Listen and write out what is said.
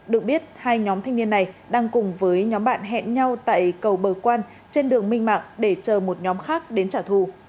được biết hai nhóm thanh niên này đang cùng với nhóm bạn hẹn nhau tại cầu bờ quan trên đường minh mạng để chờ một nhóm khác đến trả thù